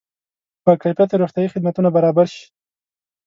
با کیفیته روغتیایي خدمتونه برابر شي.